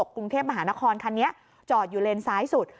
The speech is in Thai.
กรุงเทพมหานครคันนี้จอดอยู่เลนซ้ายสุด